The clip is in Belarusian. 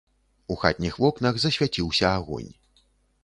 У хатніх вокнах засвяціўся агонь.